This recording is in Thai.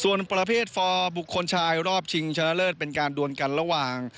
ส่วนประเภทฟอร์บุคคลชายรอบชิงชนะเลิศเป็นการดวนกันระหว่าง